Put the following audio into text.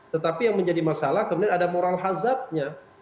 tetapi yang menjadi masalah kemudian ada moral hazardnya